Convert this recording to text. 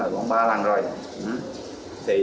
gòn ba lần rồi